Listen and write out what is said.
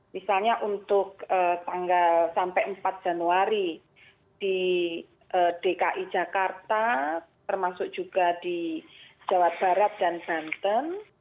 misalnya untuk tanggal sampai empat januari di dki jakarta termasuk juga di jawa barat dan banten